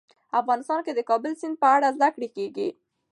افغانستان کې د د کابل سیند په اړه زده کړه کېږي.